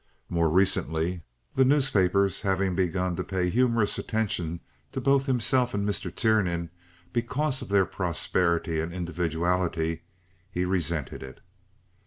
More recently, the newspapers having begun to pay humorous attention to both himself and Mr. Tiernan, because of their prosperity and individuality, he resented it.